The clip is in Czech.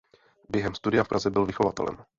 Během studia v Praze byl vychovatelem.